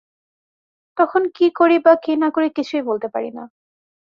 তখন কি করি বা কি না করি কিছুই বলতে পারি না।